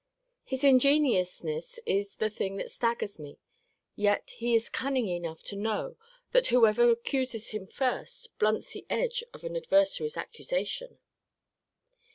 His ingenuousness is the thing that staggers me: yet is he cunning enough to know, that whoever accuses him first, blunts the edge of an adversary's accusation.